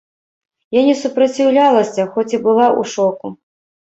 Я не супраціўлялася, хоць і была ў шоку.